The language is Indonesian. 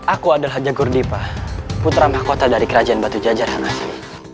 aku adalah jagur dipa putra mahakota dari kerajaan batu jajar yang asli